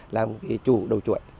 là một cái chủ đầu chuỗi